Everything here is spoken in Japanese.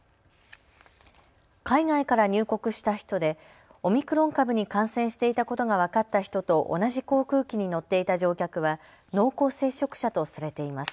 海外から入国した人でオミクロン株に感染していたことが分かった人と同じ航空機に乗っていた乗客は濃厚接触者とされています。